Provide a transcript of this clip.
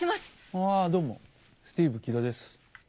あーどうもスティーブ・キドです。